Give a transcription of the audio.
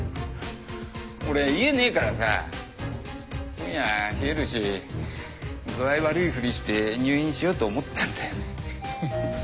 俺家ねえからさ今夜冷えるし具合悪いふりして入院しようと思ったんだよね。